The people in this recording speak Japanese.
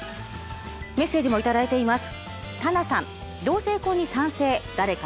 メッセージも頂いています。